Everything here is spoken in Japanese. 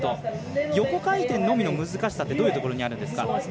横回転のみの難しさってどういうところにあるんですか？